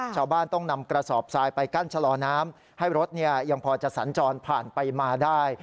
ชาวบ้านต้องนำกระสอบทรายไปกั้นชะลอน้ำให้รถยังพอจะสัญจรผ่านไปมาได้